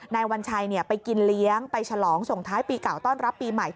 วัญชัยไปกินเลี้ยงไปฉลองส่งท้ายปีเก่าต้อนรับปีใหม่